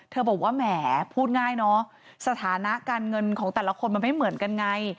บอกว่าแหมพูดง่ายเนอะสถานะการเงินของแต่ละคนมันไม่เหมือนกันไง